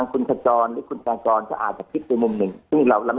คุณธารินเนี่ยก็จะทำความผิดนะครับ